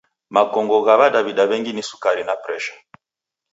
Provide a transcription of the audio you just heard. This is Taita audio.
Makongo gha w'adaw'ida w'engi ni Sukari na Presha.